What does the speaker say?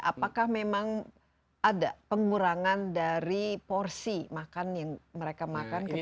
apakah memang ada pengurangan dari porsi makan yang mereka makan ketika